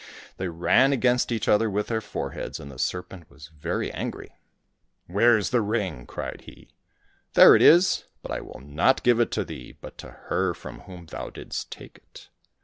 They ran against each other with their foreheads, and the serpent was very angry. " Where's the ring ?" cried he. " There it is ! But I will not give it to thee, but to her from whom thou didst take it."